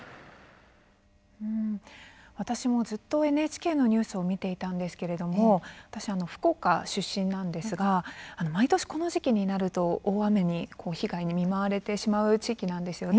私もＮＨＫのニュースをずっと見ていいたんですが私は福岡出身なんですが毎年この時期になると大雨の被害に見舞われてしまう地域なんですね。